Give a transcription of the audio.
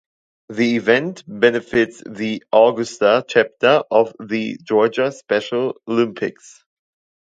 The event benefits the Augusta Chapter of the Georgia Special Olympics.